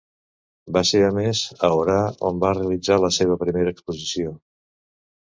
Va ser a més a Orà on va realitzar la seva primera exposició.